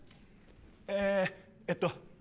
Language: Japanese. ええっと